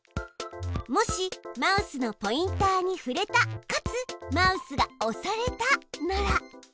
「もしマウスのポインターに触れたかつマウスが押されたなら」。